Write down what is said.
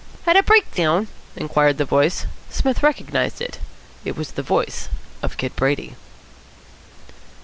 "Had a breakdown?" inquired the voice. Psmith recognised it. It was the voice of Kid Brady.